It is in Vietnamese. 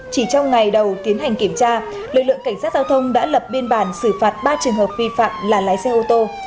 chỉ trong ngày đầu tiến hành kiểm tra lực lượng cảnh sát giao thông đã lập biên bản xử phạt ba trường hợp vi phạm là lái xe ô tô